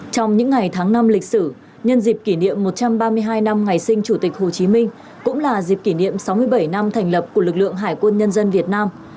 trong những ngày tháng năm lịch sử nhân dịp kỷ niệm một trăm ba mươi hai năm ngày sinh chủ tịch hồ chí minh cũng là dịp kỷ niệm sáu mươi bảy năm thành lập của lực lượng hải quân nhân dân việt nam